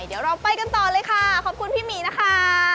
เดี๋ยวเราไปกันต่อเลยค่ะขอบคุณพี่หมีนะคะ